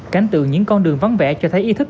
cảnh tượng những con đường vắng vẻ cho thấy ý thức